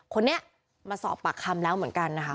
คนนี้มาสอบปากคำแล้วเหมือนกันนะคะ